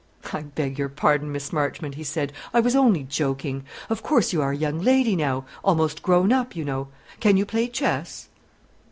"I beg your pardon, Miss Marchmont," he said. "I was only joking; of course you are a young lady now, almost grown up, you know. Can you play chess?"